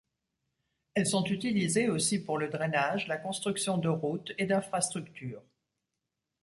Elles sont utilisées aussi pour le drainage, la construction de routes et d'infrastructures.